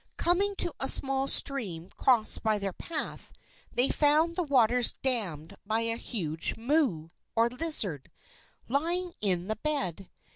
Coming to a small stream crossed by their path, they found the waters dammed by a huge moo, or lizard, lying in the bed.